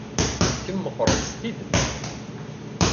Kemm meɣɣred s tidet.